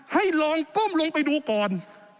ให้ลองก้มลงไปดูก่อน